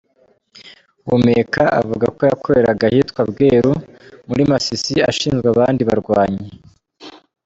Humeka avuga ko yakoreraga ahitwa Bweru muri Masisi ashinzwe abandi barwanyi.